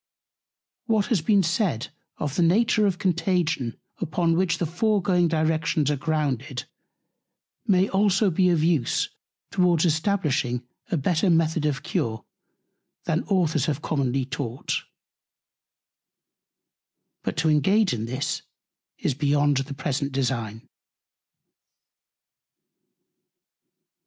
What has been said of the Nature of Contagion, upon which the foregoing Directions are grounded, may also be of Use towards establishing a better Method of Cure, than Authors have commonly taught: But to engage in this is beyond the present Design.